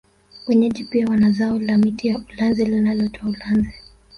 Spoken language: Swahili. Wenyeji pia wanazao la miti ya ulanzi linalotoa ulanzi